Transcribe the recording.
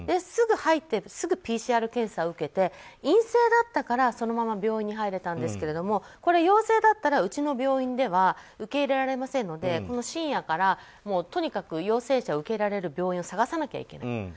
すぐ入ってすぐＰＣＲ検査を受けて陰性だったからそのまま病院に入れたんですけどこれ、陽性だったらうちの病院では受け入れられませんのでこの深夜から、とにかく陽性者を受け入れられる病院を探さなきゃいけない。